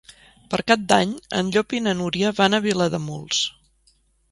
Per Cap d'Any en Llop i na Núria van a Vilademuls.